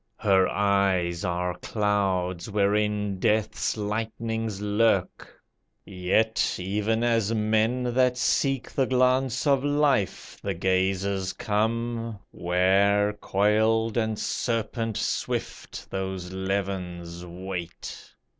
Her eyes are clouds wherein Death's lightnings lurk, Yet, even as men that seek the glance of Life, The gazers come, where, coiled and serpent swift, Those levins wait.